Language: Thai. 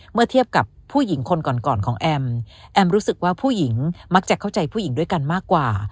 เมื่อเทียบกับผู้หญิงคนก่อนของแอมแอมรู้สึกว่าผู้หญิงมักจะเข้าใจผู้หญิงด้วยกันมากกว่า